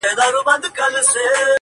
د زړو غمونو یاري- انډيوالي د دردونو-